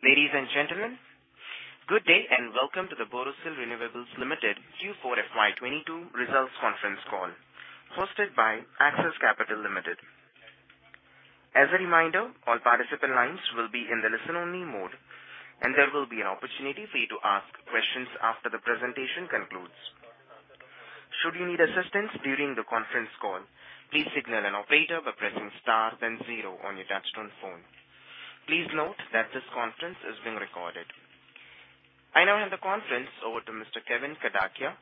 Ladies and gentlemen, good day, and welcome to the Borosil Renewables Limited Q4 FY22 results conference call, hosted by Axis Capital Limited. As a reminder, all participant lines will be in the listen only mode and there will be an opportunity for you to ask questions after the presentation concludes. Should you need assistance during the conference call, please signal an operator by pressing star then zero on your touchtone phone. Please note that this conference is being recorded. I now hand the conference over to Mr. Kevyn Kadakia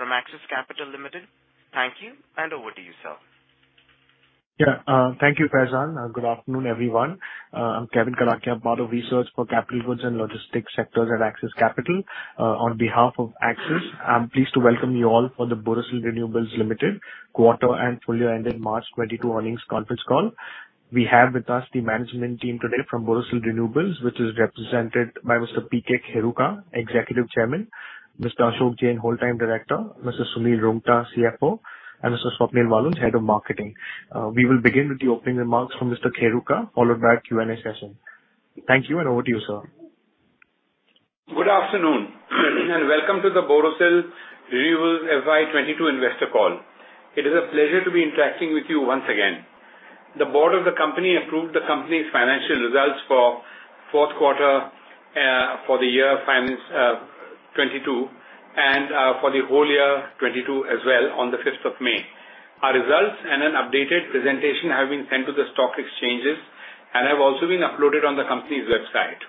from Axis Capital Limited. Thank you and over to you, sir. Yeah, thank you, Faizan. Good afternoon, everyone. I'm Kevyn Kadakia, part of research for capital goods and logistics sectors at Axis Capital. On behalf of Axis, I'm pleased to welcome you all for the Borosil Renewables Limited quarter and full year ended March 2022 earnings conference call. We have with us the management team today from Borosil Renewables, which is represented by Mr. P. K. Kheruka, Executive Chairman, Mr. Ashok Jain, Whole-Time Director, Mr. Sunil Roongta, CFO, and Mr. Swapnil Walunj, Head of Marketing. We will begin with the opening remarks from Mr. P. K. Kheruka, followed by a Q&A session. Thank you, and over to you, sir. Good afternoon and welcome to the Borosil Renewables FY 2022 investor call. It is a pleasure to be interacting with you once again. The board of the company approved the company's financial results for fourth quarter for the financial year 2022 and for the whole year 2022 as well on the fifth of May. Our results and an updated presentation have been sent to the stock exchanges and have also been uploaded on the company's website.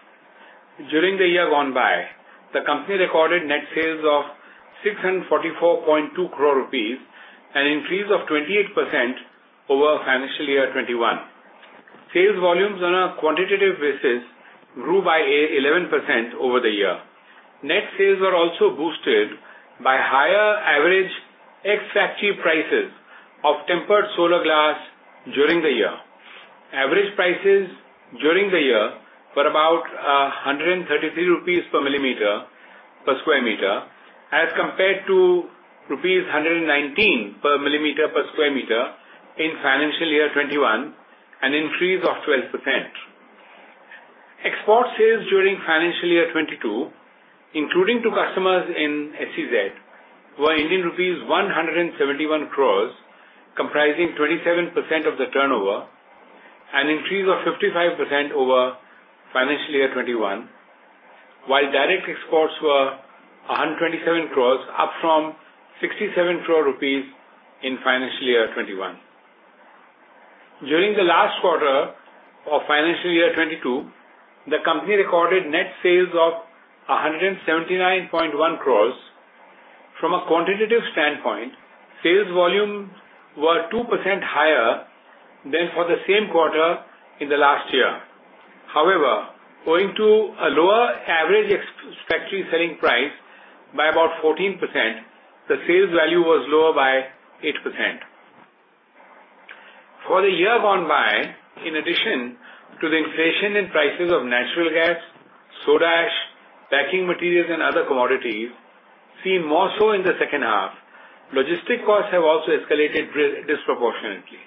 During the year gone by, the company recorded net sales of 644.2 crore rupees, an increase of 28% over financial year 2021. Sales volumes on a quantitative basis grew by 11% over the year. Net sales are also boosted by higher average ex-factory prices of tempered solar glass during the year. Average prices during the year were about 133 rupees per mm per square meter as compared to rupees 119 per mm per square meter in financial year 2021, an increase of 12%. Export sales during financial year 2022, including to customers in SEZ, were Indian rupees 171 crores, comprising 27% of the turnover, an increase of 55% over financial year 2021. While direct exports were 127 crores, up from 67 crore rupees in financial year 2021. During the last quarter of financial year 2022, the company recorded net sales of 179.1 crores. From a quantitative standpoint, sales volume were 2% higher than for the same quarter in the last year. However, owing to a lower average ex-factory selling price by about 14%, the sales value was lower by 8%. For the year gone by, in addition to the inflation in prices of natural gas, soda ash, packing materials and other commodities, seen more so in the second half, logistic costs have also escalated disproportionately.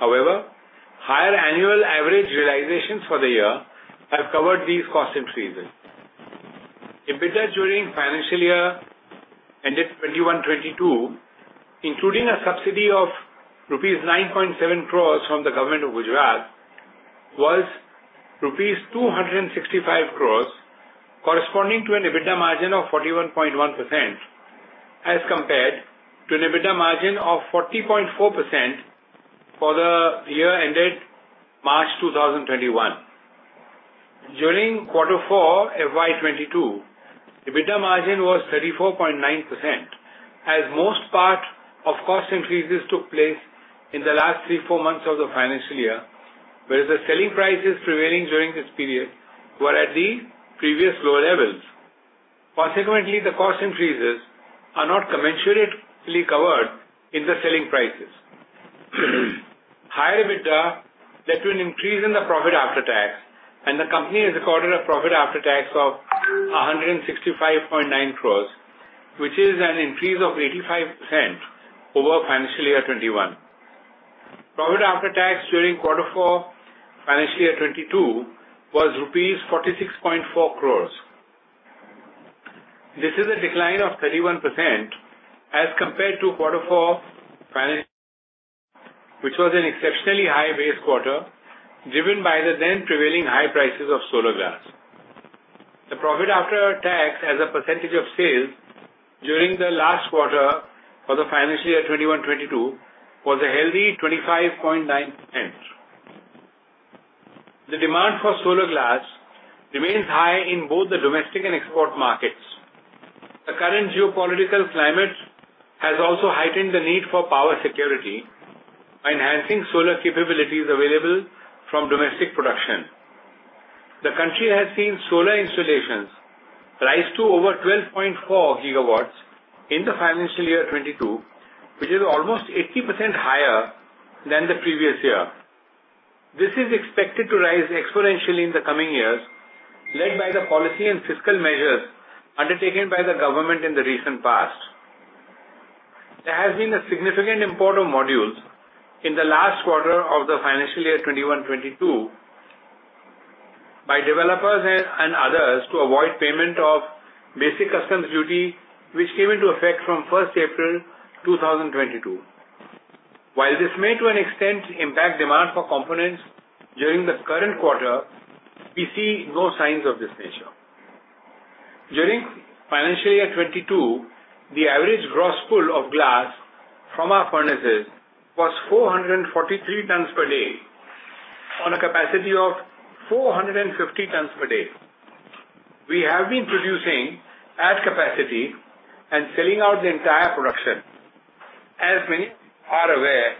However, higher annual average realizations for the year have covered these cost increases. EBITDA during financial year ended 2021, 2022, including a subsidy of rupees 9.7 crores from the government of Gujarat, was rupees 265 crores, corresponding to an EBITDA margin of 41.1% as compared to an EBITDA margin of 40.4% for the year ended March 2021. During quarter four FY 2022, EBITDA margin was 34.9% as most part of cost increases took place in the last 3-4 months of the financial year, whereas the selling prices prevailing during this period were at the previous lower levels. Consequently, the cost increases are not commensurately covered in the selling prices. High EBITDA led to an increase in the profit after tax, and the company has recorded a profit after tax of 165.9 crores, which is an increase of 85% over FY 2021. Profit after tax during quarter four FY 2022 was rupees 46.4 crores. This is a decline of 31% as compared to quarter four FY 2021, which was an exceptionally high base quarter, driven by the then prevailing high prices of solar glass. The profit after tax as a percentage of sales during the last quarter for the financial year 2021-22 was a healthy 25.9%. The demand for solar glass remains high in both the domestic and export markets. The current geopolitical climate has also heightened the need for power security by enhancing solar capabilities available from domestic production. The country has seen solar installations rise to over 12.4 GW in the financial year 2022, which is almost 80% higher than the previous year. This is expected to rise exponentially in the coming years, led by the policy and fiscal measures undertaken by the government in the recent past. There has been a significant import of modules in the last quarter of the financial year 2021-22 by developers and others to avoid payment of basic customs duty, which came into effect from April 1, 2022. While this may to an extent impact demand for components during the current quarter, we see no signs of this nature. During financial year 2022, the average gross pull of glass from our furnaces was 443 tons per day on a capacity of 450 tons per day. We have been producing at capacity and selling out the entire production. As many are aware,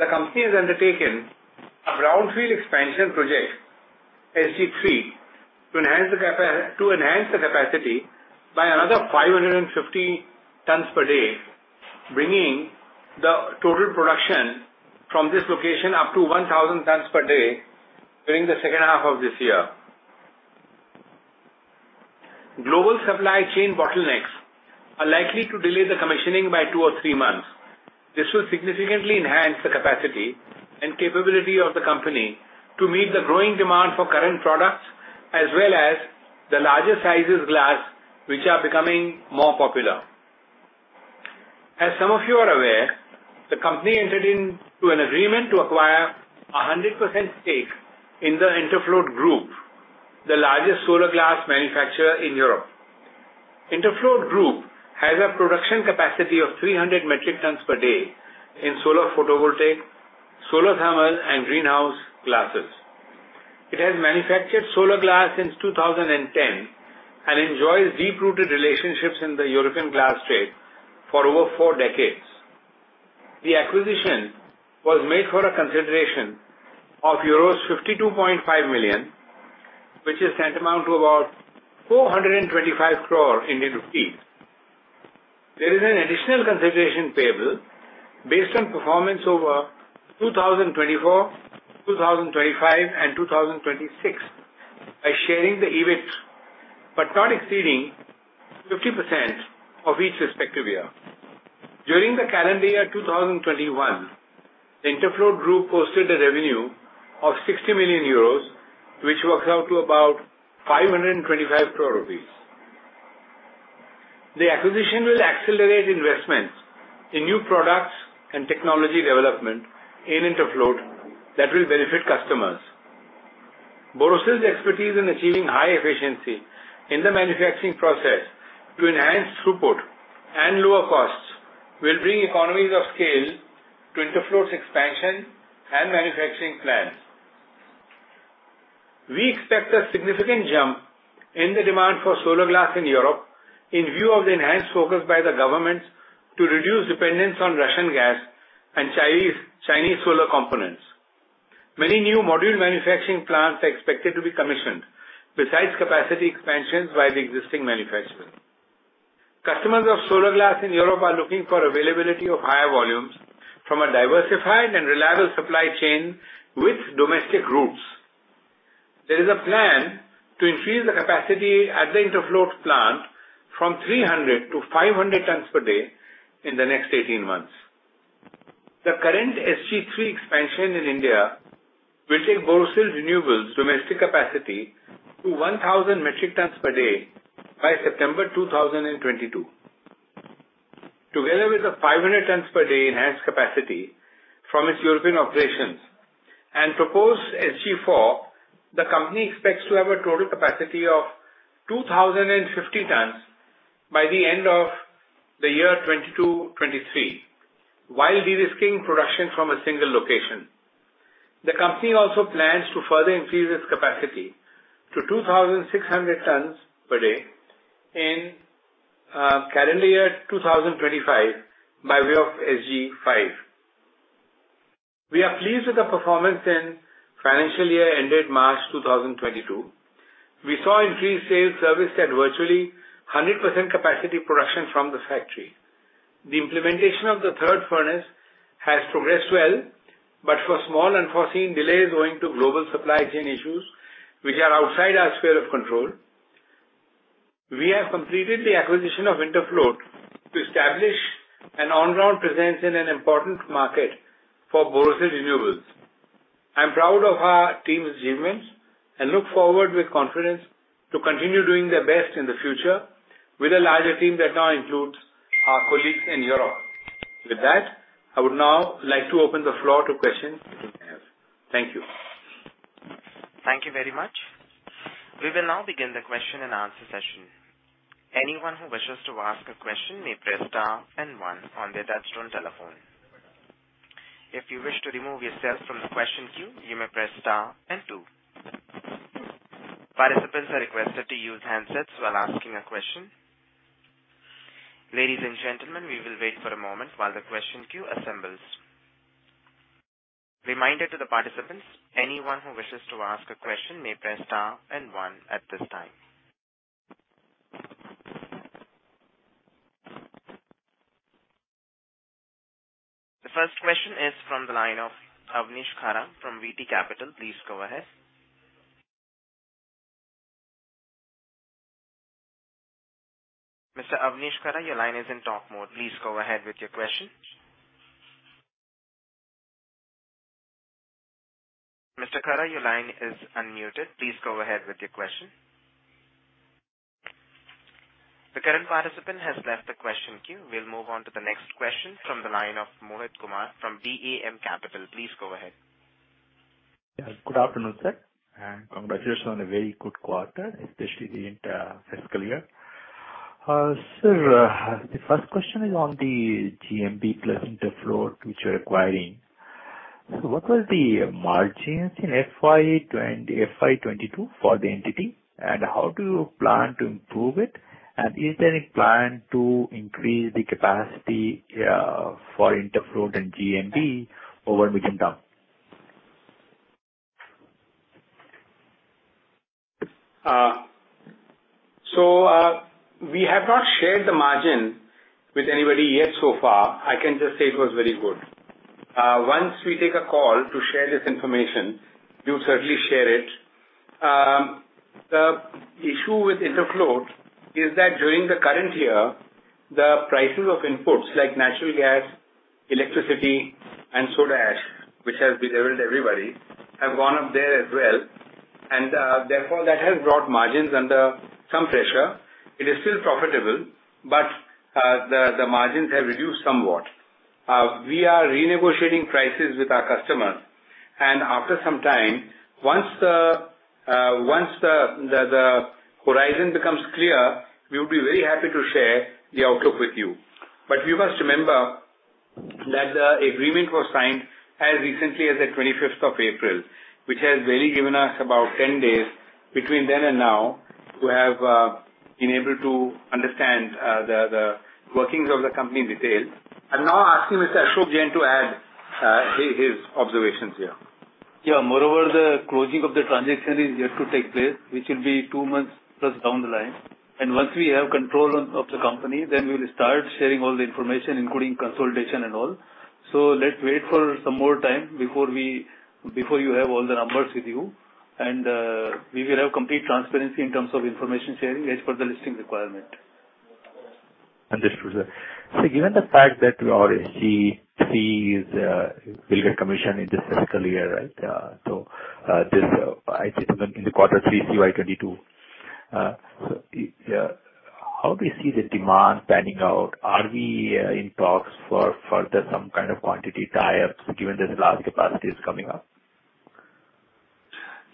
the company has undertaken a brownfield expansion project, SG3, to enhance the capacity by another 550 tons per day, bringing the total production from this location up to 1,000 tons per day during the second half of this year. Global supply chain bottlenecks are likely to delay the commissioning by two or three months. This will significantly enhance the capacity and capability of the company to meet the growing demand for current products as well as the larger sizes glass, which are becoming more popular. As some of you are aware, the company entered into an agreement to acquire a 100% stake in the Interfloat Group, the largest solar glass manufacturer in Europe. Interfloat Group has a production capacity of 300 metric tons per day in solar photovoltaic, solar thermal, and greenhouse glasses. It has manufactured solar glass since 2010 and enjoys deep-rooted relationships in the European glass trade for over 40 decades. The acquisition was made for a consideration of euros 52.5 million, which is tantamount to about 425 crore Indian rupees. There is an additional consideration payable based on performance over 2024, 2025, and 2026 by sharing the EBIT, but not exceeding 50% of each respective year. During the calendar year 2021, the Interfloat Group posted a revenue of 60 million euros, which works out to about 525 crore rupees. The acquisition will accelerate investments in new products and technology development in Interfloat that will benefit customers. Borosil's expertise in achieving high efficiency in the manufacturing process to enhance throughput and lower costs will bring economies of scale to Interfloat's expansion and manufacturing plans. We expect a significant jump in the demand for solar glass in Europe in view of the enhanced focus by the governments to reduce dependence on Russian gas and Chinese solar components. Many new module manufacturing plants are expected to be commissioned besides capacity expansions by the existing manufacturers. Customers of solar glass in Europe are looking for availability of higher volumes from a diversified and reliable supply chain with domestic roots. There is a plan to increase the capacity at the Interfloat plant from 300-500 tons per day in the next 18 months. The current SG3 expansion in India will take Borosil Renewables domestic capacity to 1,000 metric tons per day by September 2022. Together with the 500 tons per day enhanced capacity from its European operations and proposed SG4, the company expects to have a total capacity of 2,050 tons by the end of the year 2022-23, while de-risking production from a single location. The company also plans to further increase its capacity to 2,600 tons per day in calendar year 2025 by way of SG5. We are pleased with the performance in financial year ended March 2022. We saw increased sales serviced at virtually 100% capacity production from the factory. The implementation of the third furnace has progressed well, but for small unforeseen delays owing to global supply chain issues which are outside our sphere of control. We have completed the acquisition of Interfloat to establish an on-ground presence in an important market for Borosil Renewables. I'm proud of our team's achievements and look forward with confidence to continue doing their best in the future with a larger team that now includes our colleagues in Europe. With that, I would now like to open the floor to questions you may have. Thank you. Thank you very much. We will now begin the question and answer session. Anyone who wishes to ask a question may press star and one on their touchtone telephone. If you wish to remove yourself from the question queue, you may press star and two. Participants are requested to use handsets while asking a question. Ladies and gentlemen, we will wait for a moment while the question queue assembles. Reminder to the participants, anyone who wishes to ask a question may press star and one at this time. The first question is from the line of Avnish Khara from VT Capital. Please go ahead. Mr. Avnish Khara, your line is in talk mode. Please go ahead with your question. Mr. Khara, your line is unmuted. Please go ahead with your question. The current participant has left the question queue. We'll move on to the next question from the line of Mohit Kumar from DAM Capital Advisors. Please go ahead. Yes. Good afternoon, sir, and congratulations on a very good quarter, especially the entire fiscal year. Sir, the first question is on the GMB plus Interfloat, which you're acquiring. What was the margins in FY 2022 for the entity, and how do you plan to improve it? Is there any plan to increase the capacity for Interfloat and GMB over medium term? We have not shared the margin with anybody yet so far. I can just say it was very good. Once we take a call to share this information, we'll certainly share it. The issue with Interfloat is that during the current year, the prices of inputs like natural gas, electricity and soda ash, which has bedeviled everybody, have gone up there as well. Therefore, that has brought margins under some pressure. It is still profitable, but the margins have reduced somewhat. We are renegotiating prices with our customers, and after some time, once the horizon becomes clear, we will be very happy to share the outlook with you. You must remember that the agreement was signed as recently as the twenty-fifth of April, which has really given us about ten days between then and now to have been able to understand the workings of the company in detail. I'm now asking Mr. Ashok Jain to add his observations here. Yeah. Moreover, the closing of the transaction is yet to take place, which will be two months plus down the line. Once we have control of the company, then we will start sharing all the information, including consolidation and all. Let's wait for some more time before you have all the numbers with you. We will have complete transparency in terms of information sharing as per the listing requirement. Understood, sir. Given the fact that your acquisitions will get commissioned in this fiscal year, right? I think in quarter three CY 2022, yeah, how do you see the demand panning out? Are we in talks for further some kind of quantity tie-ups given this large capacity is coming up?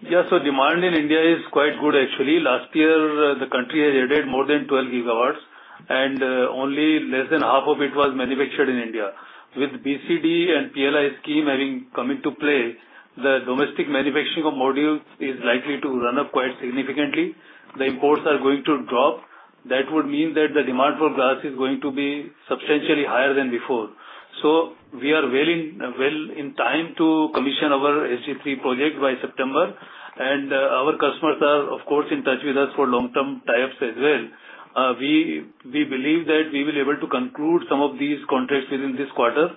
Yeah. Demand in India is quite good actually. Last year, the country had added more than 12 GW, and only less than half of it was manufactured in India. With BCD and PLI scheme having come into play, the domestic manufacturing of modules is likely to run up quite significantly. The imports are going to drop. That would mean that the demand for glass is going to be substantially higher than before. We are well in time to commission our SG3 project by September. Our customers are of course in touch with us for long-term tie-ups as well. We believe that we will be able to conclude some of these contracts within this quarter.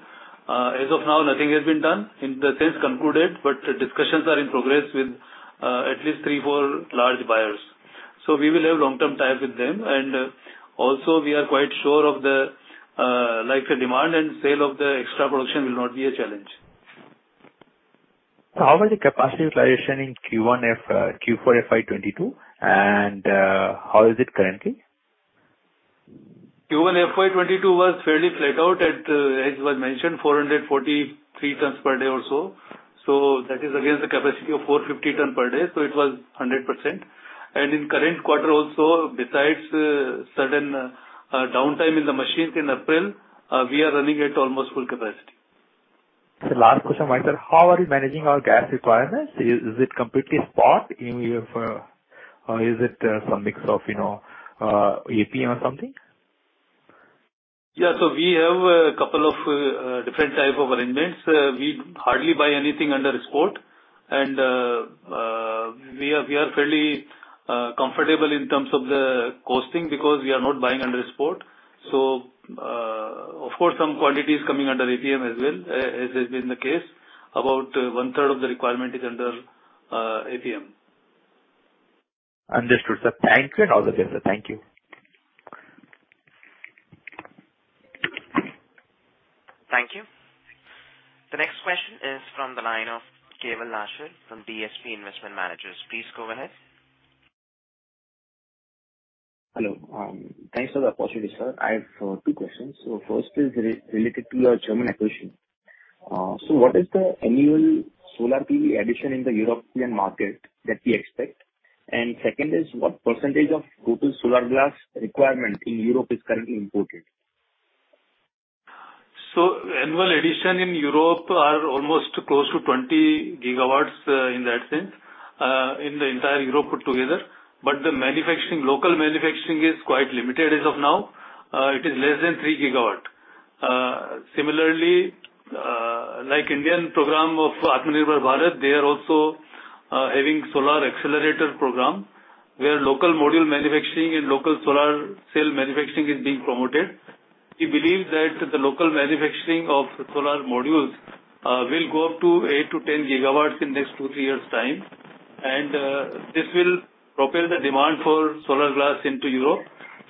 As of now, nothing has been done. In the sense concluded, but discussions are in progress with at least three, four large buyers. We will have long-term ties with them. Also, we are quite sure of, like, the demand and sale of the extra production will not be a challenge. How was the capacity utilization in Q4 FY 22, and how is it currently? Q1 FY22 was fairly flat out at, as was mentioned, 443 tons per day or so. That is against the capacity of 450 tons per day. It was 100%. In current quarter also, besides certain downtime in the machines in April, we are running at almost full capacity. Last question, Mohit. How are you managing our gas requirements? Is it completely spot in your, or is it some mix of APM or something? Yeah. We have a couple of different type of arrangements. We hardly buy anything under spot. We are fairly comfortable in terms of the costing because we are not buying under spot. Of course some quantity is coming under APM as well, as has been the case. About 1/3 of the requirement is under APM. Understood, sir. Thank you and all the best, sir. Thank you. Thank you. The next question is from the line of Keval Nashre from DSP Investment Managers. Please go ahead. Hello. Thanks for the opportunity, sir. I have two questions. First is related to your German acquisition. What is the annual solar PV addition in the European market that we expect? And second is, what percentage of total solar glass requirement in Europe is currently imported? Annual addition in Europe are almost close to 20 GW, in that sense, in the entire Europe put together. But the manufacturing, local manufacturing is quite limited as of now. It is less than 3 GW. Similarly, like Indian program of Atmanirbhar Bharat, they are also having solar accelerator program, where local module manufacturing and local solar cell manufacturing is being promoted. We believe that the local manufacturing of solar modules will go up to 8-10 GW in next two, three years' time. This will propel the demand for solar glass into Europe,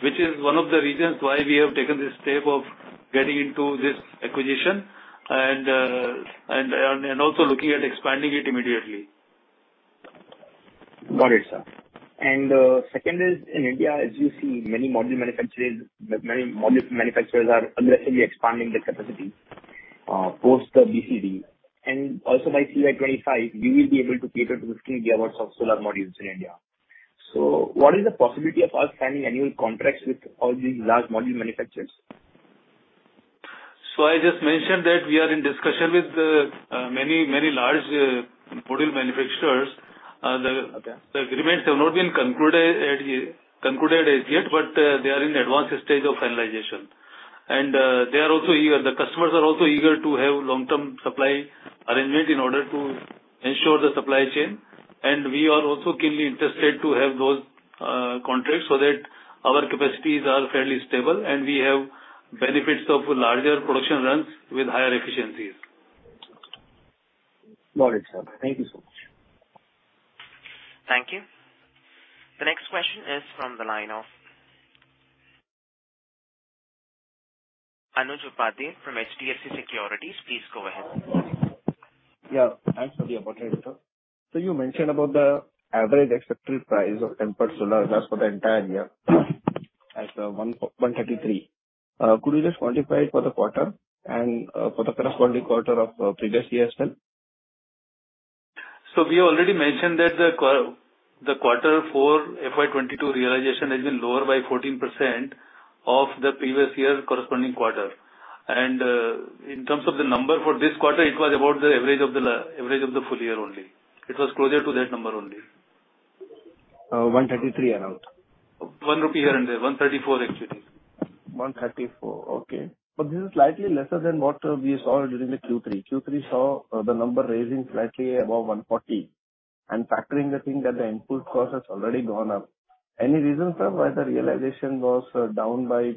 which is one of the reasons why we have taken this step of getting into this acquisition and also looking at expanding it immediately. Got it, sir. Second is in India, as you see many module manufacturers are aggressively expanding their capacity post the BCD. Also by CY 2025, we will be able to cater to 15 GW of solar modules in India. What is the possibility of us signing annual contracts with all these large module manufacturers? I just mentioned that we are in discussion with many, many large module manufacturers. Okay. The agreements have not been concluded as yet, but they are in advanced stage of finalization. They are also eager, the customers are also eager to have long-term supply arrangement in order to ensure the supply chain. We are also keenly interested to have those contracts so that our capacities are fairly stable and we have benefits of larger production runs with higher efficiencies. Got it, sir. Thank you so much. Thank you. The next question is from the line of Anuj Upadhyay from HDFC Securities. Please go ahead. Yeah, thanks for the opportunity, sir. You mentioned about the average accepted price of tempered solar just for the entire year as 133. Could you just quantify it for the quarter and for the corresponding quarter of previous years as well? We already mentioned that the quarter for FY 2022 realization has been lower by 14% of the previous year corresponding quarter. In terms of the number for this quarter, it was about the average of the full year only. It was closer to that number only. 133 around. 1 rupee here and there. 134 actually. 134. Okay. This is slightly lesser than what we saw during the Q3. Q3 saw the number rising slightly above 140. Factoring the thing that the input cost has already gone up. Any reasons for why the realization was down by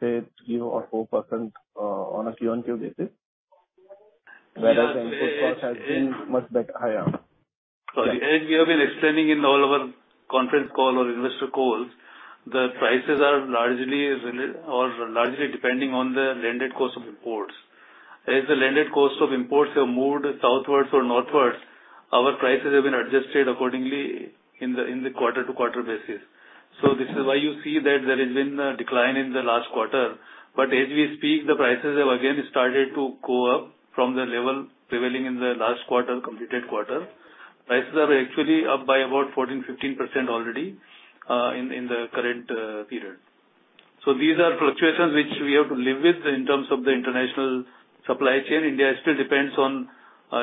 say 3% or 4% on a quarter-over-quarter basis? Yeah. It's The input cost has been much higher. As we have been explaining in all our conference call or investor calls, the prices are largely depending on the landed cost of imports. As the landed cost of imports have moved southwards or northwards, our prices have been adjusted accordingly in the quarter-to-quarter basis. This is why you see that there has been a decline in the last quarter. As we speak, the prices have again started to go up from the level prevailing in the last quarter, completed quarter. Prices are actually up by about 14%-15% already in the current period. These are fluctuations which we have to live with in terms of the international supply chain. India still depends on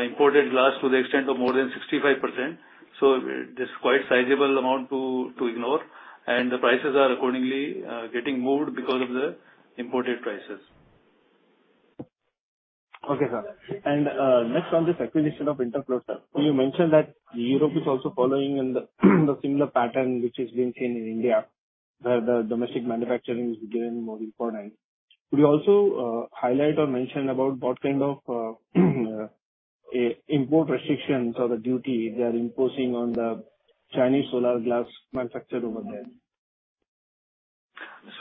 imported glass to the extent of more than 65%. It is quite sizable amount to ignore, and the prices are accordingly getting moved because of the imported prices. Okay, sir. Next on this acquisition of Interfloat, sir. You mentioned that Europe is also following in the similar pattern which has been seen in India, where the domestic manufacturing is getting more important. Could you also highlight or mention about what kind of import restrictions or the duty they are imposing on the Chinese solar glass manufacturers over there?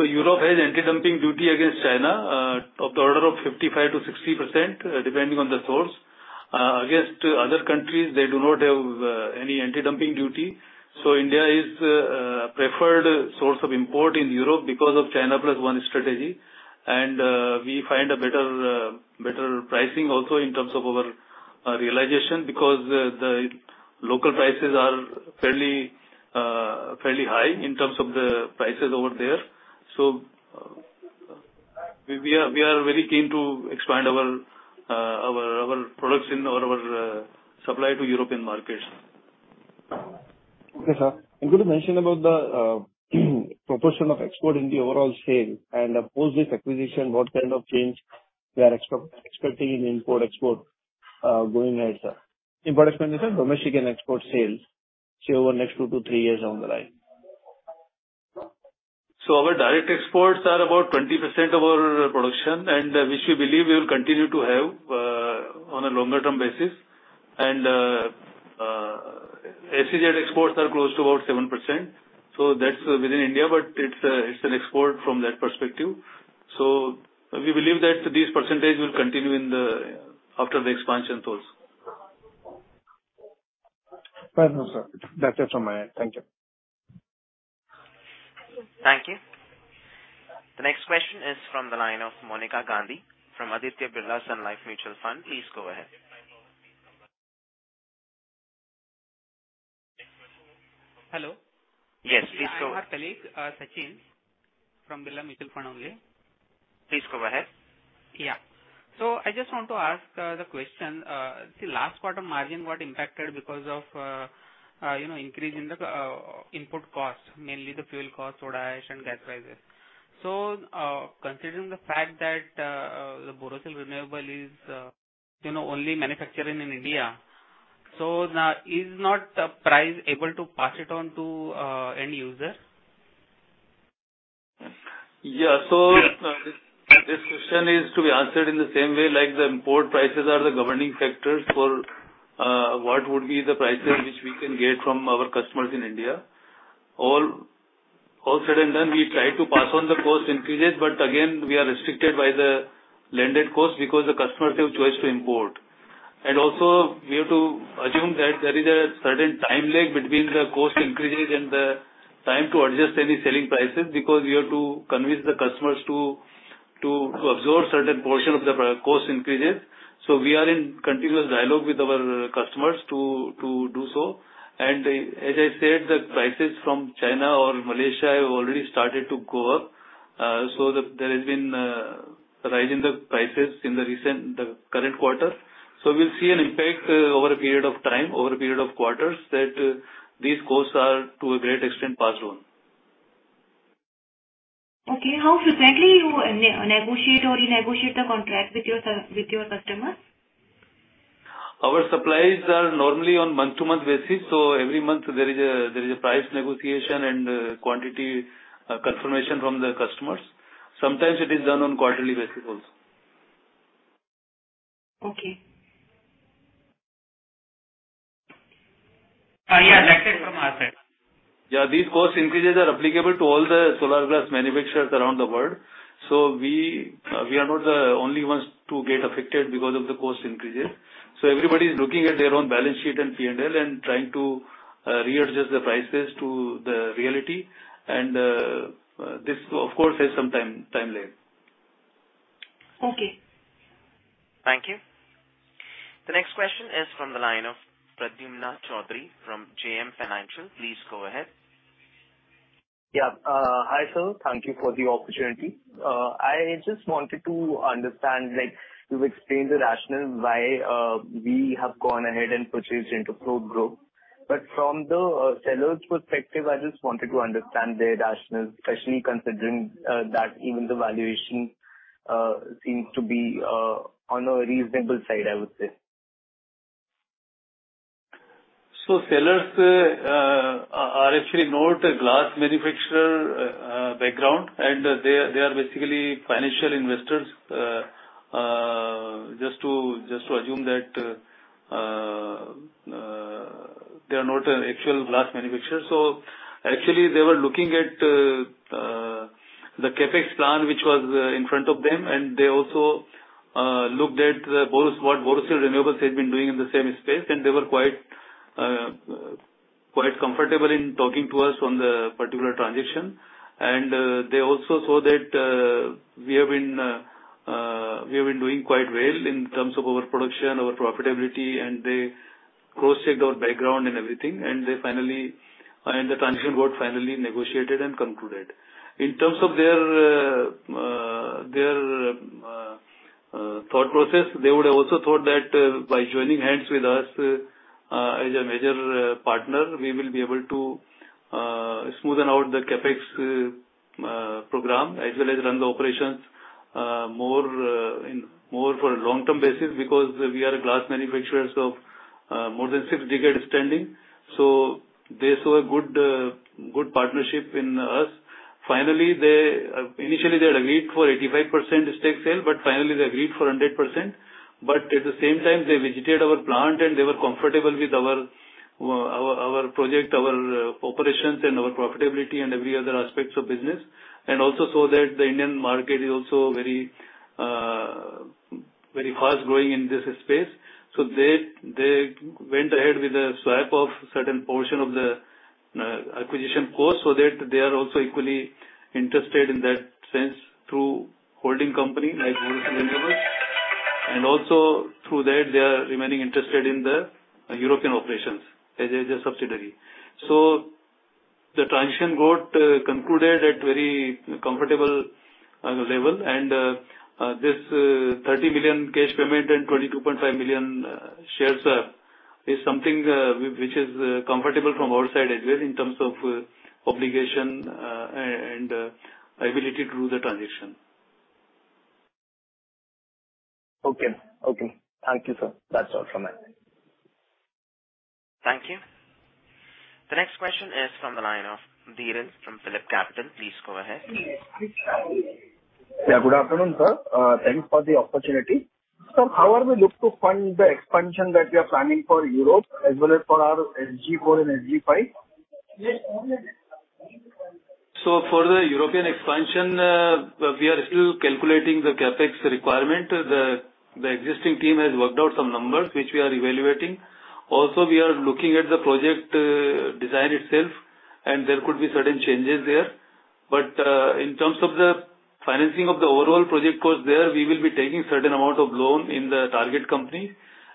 Europe has anti-dumping duty against China of the order of 55%-60%, depending on the source. Against other countries, they do not have any anti-dumping duty. India is preferred source of import in Europe because of China plus one strategy. We find a better pricing also in terms of our realization because the local prices are fairly high in terms of the prices over there. We are very keen to expand our products or our supply to European markets. Okay, sir. Could you mention about the proportion of export in the overall sale? Post this acquisition, what kind of change we are expecting in import-export going ahead, sir? Import expansion, domestic and export sales say over next two to three years down the line. Our direct exports are about 20% of our production, which we believe we will continue to have on a longer term basis. SEZ exports are close to about 7%, so that's within India, but it's an export from that perspective. We believe that this percentage will continue after the expansion. Fair enough, sir. That's it from my end. Thank you. Thank you. The next question is from the line of Monika Gandhi from Aditya Birla Sun Life Mutual Fund. Please go ahead. Hello. Yes, please go. I'm her colleague, Sachin from Birla Mutual Fund only. Please go ahead. I just want to ask the question. See, last quarter margin got impacted because of, you know, increase in the input costs, mainly the fuel costs, soda ash and gas prices. Considering the fact that Borosil Renewables is, you know, only manufacturing in India. Now is not the price able to pass it on to end user? Yeah. This question is to be answered in the same way like the import prices are the governing factors for what would be the prices which we can get from our customers in India. All said and done, we try to pass on the cost increases, but again, we are restricted by the landed cost because the customers have choice to import. We have to assume that there is a certain time lag between the cost increases and the time to adjust any selling prices, because we have to convince the customers to absorb certain portion of the cost increases. We are in continuous dialogue with our customers to do so. As I said, the prices from China or Malaysia have already started to go up. There has been a rise in the prices in the current quarter. We'll see an impact over a period of time, over a period of quarters, that these costs are to a great extent passed on. Okay. How frequently you negotiate the contract with your customers? Our supplies are normally on month-to-month basis, so every month there is a price negotiation and quantity confirmation from the customers. Sometimes it is done on quarterly basis also. Okay. Yeah. That is from our side. Yeah. These cost increases are applicable to all the solar glass manufacturers around the world. We are not the only ones to get affected because of the cost increases. Everybody is looking at their own balance sheet and P&L and trying to readjust the prices to the reality. This of course has some time lag. Okay. Thank you. The next question is from the line of Pradyumna Choudhary from JM Financial. Please go ahead. Yeah. Hi, sir. Thank you for the opportunity. I just wanted to understand, like, you've explained the rationale why we have gone ahead and purchased Interfloat. From the seller's perspective, I just wanted to understand their rationale, especially considering that even the valuation seems to be on a reasonable side, I would say. Sellers are actually not a glass manufacturer background, and they are basically financial investors. Just to assume that they are not an actual glass manufacturer. Actually they were looking at the CapEx plan, which was in front of them, and they also looked at what Borosil Renewables had been doing in the same space. They were quite comfortable in talking to us on the particular transition. They also saw that we have been doing quite well in terms of our production, our profitability, and they cross-checked our background and everything, and the transition got finally negotiated and concluded. In terms of their thought process, they would have also thought that by joining hands with us as a major partner, we will be able to smoothen out the CapEx program as well as run the operations more for long-term basis, because we are a glass manufacturer so more than six decades standing. They saw a good partnership in us. Initially, they had agreed for 85% stake sale, but finally they agreed for 100%. At the same time, they visited our plant and they were comfortable with our project, our operations and our profitability and every other aspects of business. Also saw that the Indian market is very fast growing in this space. They went ahead with a swap of certain portion of the acquisition cost, so that they are also equally interested in that sense through holding company like Borosil Renewables. Also through that they are remaining interested in the European operations as a subsidiary. The transition got concluded at very comfortable level. This 30 million cash payment and 22.5 million shares is something which is comfortable from our side as well in terms of obligation and ability to do the transition. Okay. Thank you, sir. That's all from my end. Thank you. The next question is from the line of Dhiren from PhillipCapital. Please go ahead. Yeah, good afternoon, sir. Thanks for the opportunity. How are we looking to fund the expansion that we are planning for Europe as well as for our SG4 and SG5? For the European expansion, we are still calculating the CapEx requirement. The existing team has worked out some numbers which we are evaluating. Also, we are looking at the project design itself, and there could be certain changes there. In terms of the financing of the overall project cost there, we will be taking certain amount of loan in the target company.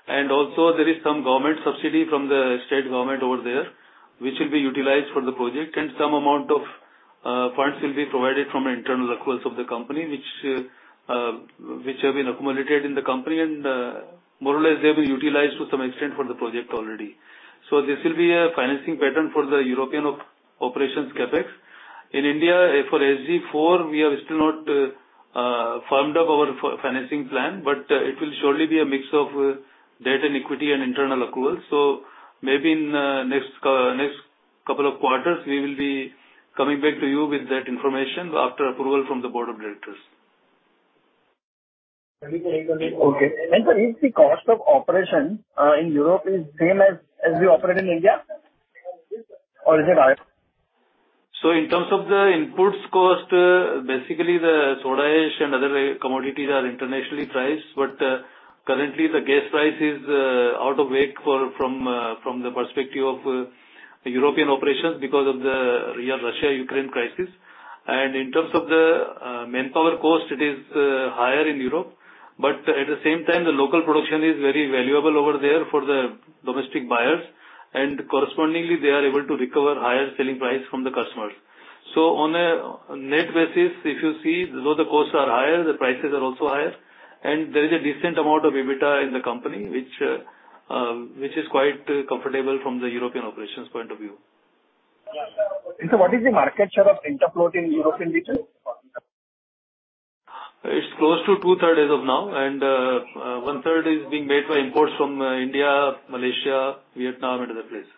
Also there is some government subsidy from the state government over there, which will be utilized for the project. Some amount of funds will be provided from internal accruals of the company, which have been accumulated in the company, and more or less they've been utilized to some extent for the project already. This will be a financing pattern for the European operations CapEx. In India, for SG4, we are still not firmed up our financing plan, but it will surely be a mix of debt and equity and internal accrual. Maybe in next couple of quarters, we will be coming back to you with that information after approval from the board of directors. Okay. Sir, is the cost of operation in Europe the same as we operate in India? Or is it higher? In terms of the input costs, basically the soda ash and other commodities are internationally priced. Currently the gas price is out of whack from the perspective of European operations because of the Russia-Ukraine crisis. In terms of the manpower cost, it is higher in Europe. At the same time, the local production is very valuable over there for the domestic buyers. Correspondingly, they are able to recover higher selling price from the customers. On a net basis, if you see, though the costs are higher, the prices are also higher. There is a decent amount of EBITDA in the company, which is quite comfortable from the European operations point of view. What is the market share of Interfloat in European region? It's close to two-thirds as of now, and one-third is being made by imports from India, Malaysia, Vietnam, and other places.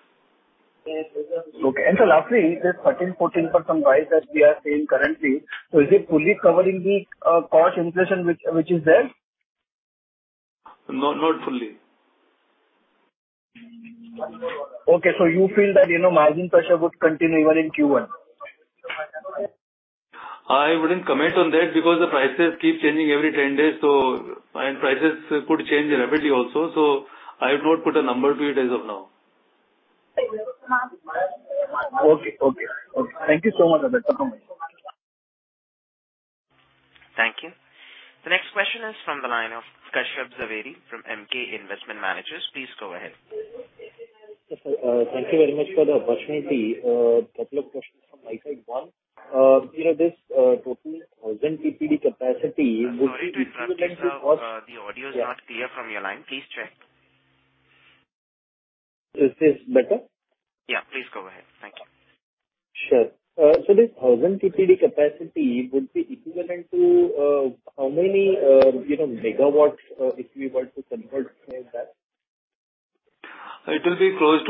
Okay. Sir, lastly, this 13%-14% rise that we are seeing currently, so is it fully covering the cost inflation which is there? No, not fully. Okay. You feel that, you know, margin pressure would continue even in Q1? I wouldn't comment on that because the prices keep changing every 10 days. Prices could change rapidly also. I would not put a number to it as of now. Okay. Thank you so much. Thank you. The next question is from the line of Kashyap Javeri from Emkay Investment Managers. Please go ahead. Yes, sir. Thank you very much for the opportunity. Couple of questions from my side. One, you know, this total 1,000 TPD capacity- Sorry to interrupt you, sir. The audio is not clear from your line. Please check. Is this better? Yeah, please go ahead. Thank you. This 1,000 TPD capacity would be equivalent to how many, you know, megawatts, if we were to convert, say, that? It will be close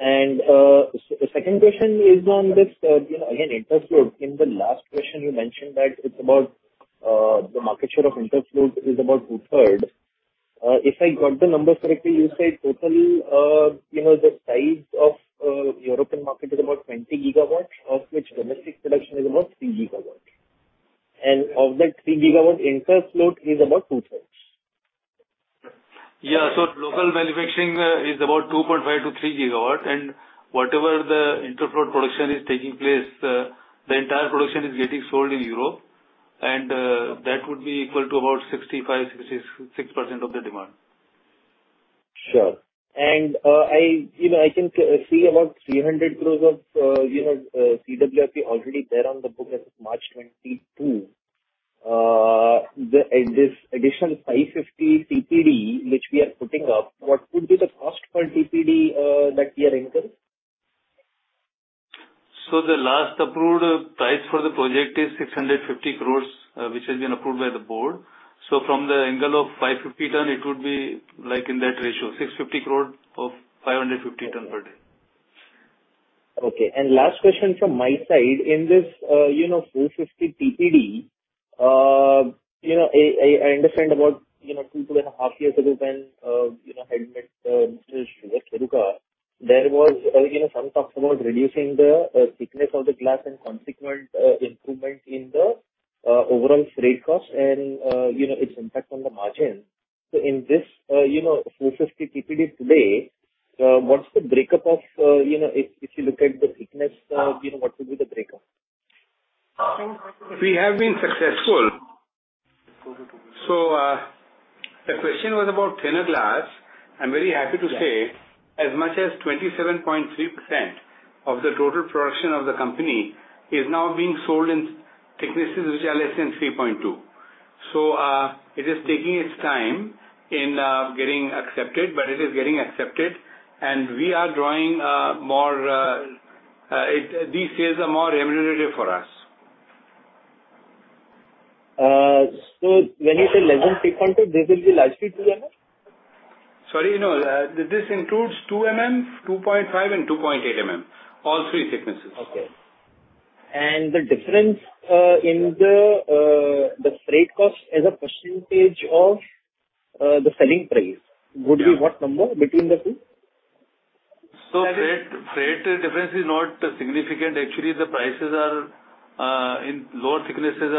to 6 to 6.25 GW. 6 GW plus. 6+ GW. Yes. The second question is on this, you know, again, Interfloat. In the last question, you mentioned that it's about the market share of Interfloat is about two-thirds. If I got the number correctly, you said total, you know, the size of European market is about 20 GW, of which domestic production is about 3 GW. Of that 3 GW, Interfloat is about two-thirds. Local manufacturing is about 2.5-3 GW. Whatever the Interfloat production is taking place, the entire production is getting sold in Europe. That would be equal to about 65%-66% of the demand. Sure. You know, I can see about 300 crores of CWIP already there on the book as of March 2022. This additional 550 TPD which we are putting up, what would be the cost per TPD that we are incurring? The last approved price for the project is 650 crore, which has been approved by the board. From the angle of 550 tons, it would be like in that ratio, 650 crore of 550 tons per day. Okay. Last question from my side. In this 450 TPD, you know, I understand about two and a half years ago when you know, I had met Mr. Shiveer Kheruka, there was you know, some talks about reducing the thickness of the glass and consequent improvement in the overall freight cost and you know, its impact on the margin. In this 450 TPD today, what's the breakup of you know, if you look at the thickness, you know, what would be the breakup? We have been successful. The question was about thinner glass. I'm very happy to say as much as 27.3% of the total production of the company is now being sold in thicknesses which are less than 3.2. It is taking its time in getting accepted, but it is getting accepted and we are drawing more. These sales are more remunerative for us. When you say less than 3.2, this will be largely 2 mm? Sorry. No. This includes 2 mm, 2.5 and 2.8 mm. All three thicknesses. Okay. The difference in the freight cost as a percentage of the selling price would be what number between the two? Freight difference is not significant. Actually, the prices are in lower thicknesses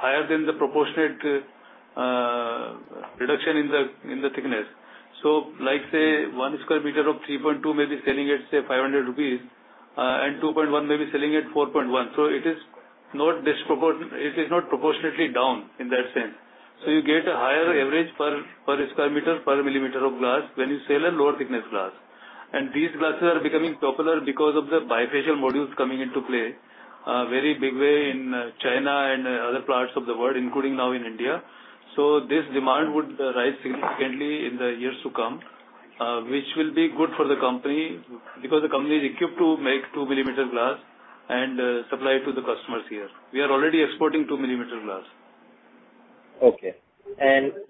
higher than the proportionate reduction in the thickness. Like, say, 1 square meter of 3.2 may be selling at, say, 500 rupees, and 2.1 may be selling at 4.1. It is not proportionately down in that sense. You get a higher average per square meter, per mm of glass when you sell a lower thickness glass. These glasses are becoming popular because of the bifacial modules coming into play in a very big way in China and other parts of the world, including now in India. This demand would rise significantly in the years to come, which will be good for the company because the company is equipped to make 2 mm glass and supply it to the customers here. We are already exporting 2 mm glass. Okay.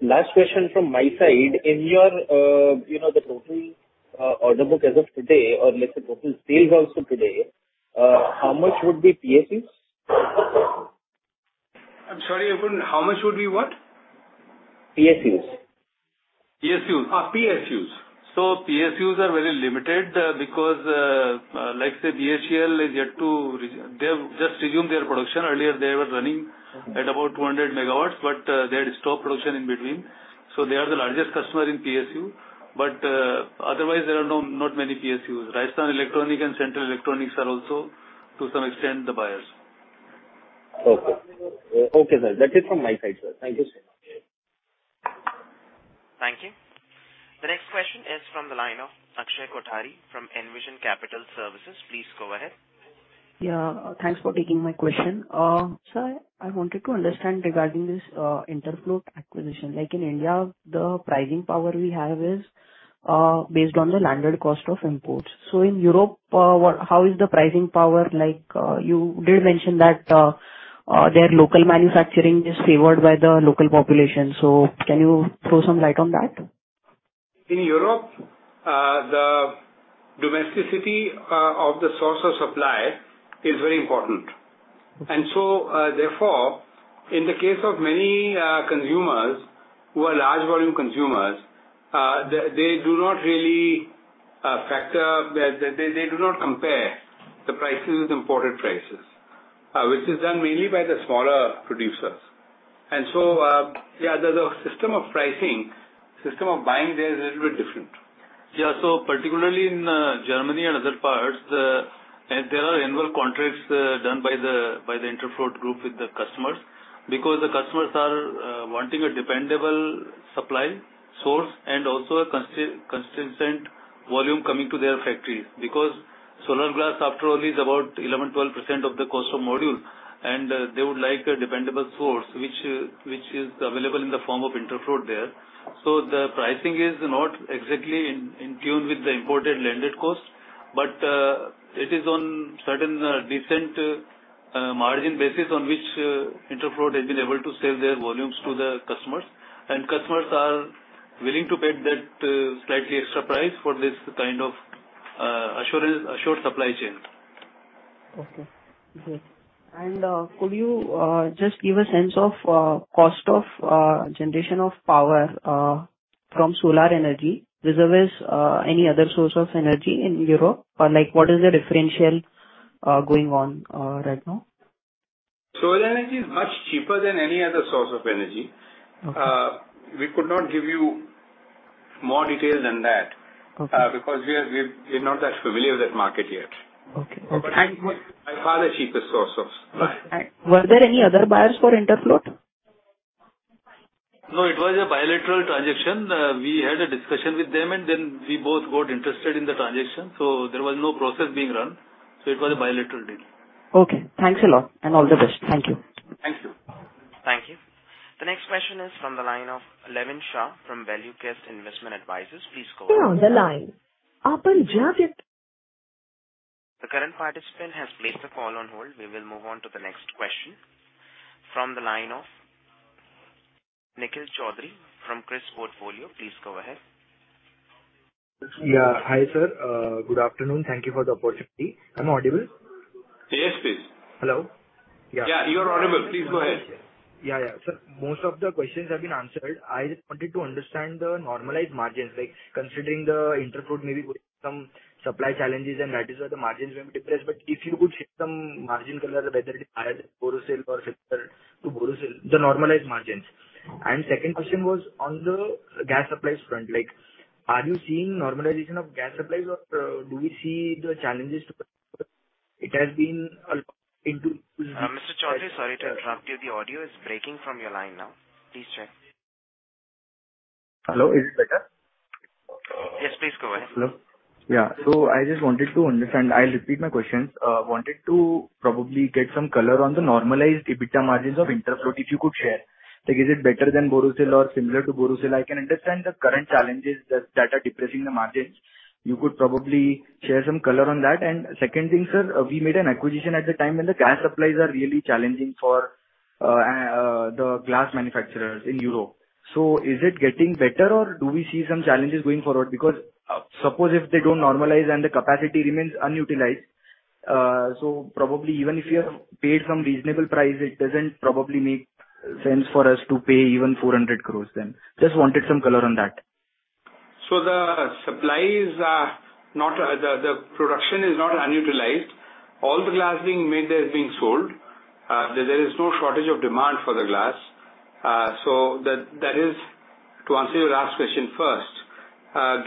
Last question from my side. In your, you know, the total order book as of today, or let's say total sales also today, how much would be PSUs? I'm sorry, how much would be what? PSUs. PSUs are very limited because BHEL has just resumed their production. Earlier, they were running at about 200 megawatts, but they had stopped production in between. They are the largest customer in PSU. But otherwise, there are not many PSUs. Rajasthan Electronics & Instruments and Central Electronics Limited are also, to some extent, the buyers. Okay, sir. That is from my side, sir. Thank you so much. Okay. Thank you. The next question is from the line of Akshay Kothari from Envision Capital Services. Please go ahead. Yeah. Thanks for taking my question. Sir, I wanted to understand regarding this Interfloat acquisition. Like in India, the pricing power we have is based on the landed cost of imports. In Europe, how is the pricing power like? You did mention that their local manufacturing is favored by the local population. Can you throw some light on that? In Europe, the domesticity of the source of supply is very important. Therefore, in the case of many consumers who are large volume consumers, they do not compare the prices with imported prices, which is done mainly by the smaller producers. Yeah, the system of pricing, system of buying there is a little bit different. Particularly in Germany and other parts, there are annual contracts done by the Interfloat Group with the customers because the customers are wanting a dependable supply source and also a consistent volume coming to their factories. Because solar glass after all is about 11%-12% of the cost of module, and they would like a dependable source which is available in the form of Interfloat there. The pricing is not exactly in tune with the imported landed cost, but it is on certain decent margin basis on which Interfloat has been able to sell their volumes to the customers. Customers are willing to pay that slightly extra price for this kind of assurance, assured supply chain. Could you just give a sense of cost of generation of power from solar energy vis-a-vis any other source of energy in Europe, or like, what is the differential going on right now? Solar energy is much cheaper than any other source of energy. Okay. We could not give you more detail than that. Okay. Because we're not that familiar with that market yet. Okay. Okay. By far the cheapest source of supply. Okay. Were there any other buyers for Interfloat? No, it was a bilateral transaction. We had a discussion with them, and then we both got interested in the transaction, so there was no process being run. It was a bilateral deal. Okay. Thanks a lot and all the best. Thank you. Thank you. Thank you. The next question is from the line of Levin Shah from ValueQuest Investment Advisors. Please go ahead. You are on the line. The current participant has placed the call on hold. We will move on to the next question from the line of Nikhil Chaudhary from KRIIS Portfolio. Please go ahead. Yeah. Hi, sir. Good afternoon. Thank you for the opportunity. Am I audible? Yes, please. Hello? Yeah. Yeah, you are audible. Please go ahead. Sir, most of the questions have been answered. I just wanted to understand the normalized margins, like considering the Interfloat maybe going through some supply challenges and that is why the margins may be depressed. But if you could give some margin color, whether it is higher than Borosil or similar to Borosil, the normalized margins. Second question was on the gas supplies front. Like, are you seeing normalization of gas supplies or, do we see the challenges to. Mr. Choudhary, sorry to interrupt you. The audio is breaking from your line now. Please check. Hello. Is it better? Yes, please go ahead. Hello. Yeah. I just wanted to understand. I'll repeat my questions. Wanted to probably get some color on the normalized EBITDA margins of Interfloat, if you could share. Like, is it better than Borosil or similar to Borosil? I can understand the current challenges that are depressing the margins. You could probably share some color on that. Second thing, sir, we made an acquisition at the time when the gas supplies are really challenging for the glass manufacturers in Europe. Is it getting better or do we see some challenges going forward? Because suppose if they don't normalize and the capacity remains unutilized, probably even if you have paid some reasonable price, it doesn't probably make sense for us to pay even 400 crore then. Just wanted some color on that. The production is not unutilized. All the glass being made there is being sold. There is no shortage of demand for the glass. That is to answer your last question first.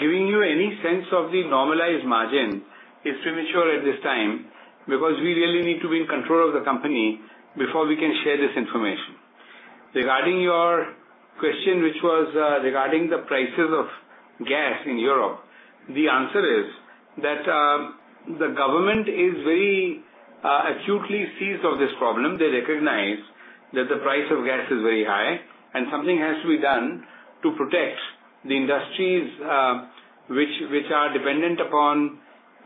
Giving you any sense of the normalized margin is premature at this time because we really need to be in control of the company before we can share this information. Regarding your question, which was regarding the prices of gas in Europe, the answer is that the government is very acutely seized of this problem. They recognize that the price of gas is very high and something has to be done to protect the industries which are dependent upon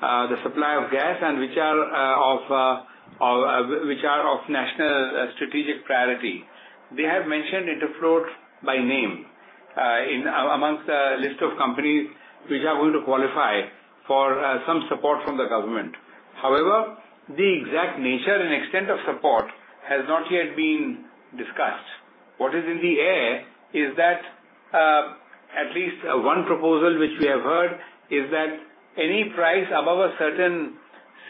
the supply of gas and which are of national strategic priority. They have mentioned Interfloat by name, among a list of companies which are going to qualify for some support from the government. However, the exact nature and extent of support has not yet been discussed. What is in the air is that at least one proposal which we have heard is that any price above a certain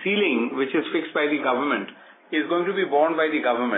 ceiling, which is fixed by the government, is going to be borne by the government.